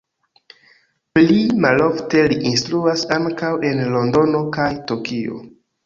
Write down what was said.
Pli malofte li instruas ankaŭ en Londono kaj Tokio.